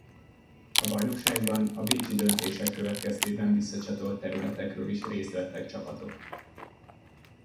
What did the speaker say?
A bajnokságban a bécsi döntések következtében visszacsatolt területekről is részt vettek csapatok.